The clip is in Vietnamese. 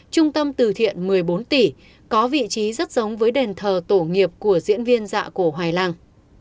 trung tâm từ thiện một mươi bốn tỷ có vị trí rất giống với đền thờ tổ nghiệp của diễn viên dạ cổ hoài lang